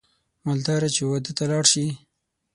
مالداره چې واده ته لاړ شي